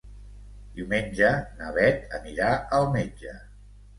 Diumenge na Beth anirà al metge.